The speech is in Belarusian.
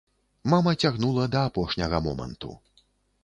Мама цягнула да апошняга моманту.